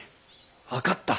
分かった。